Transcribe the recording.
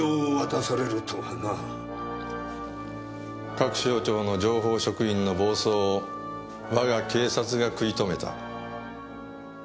各省庁の情報職員の暴走を我が警察が食い止めた。